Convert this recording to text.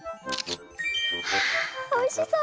はあおいしそう！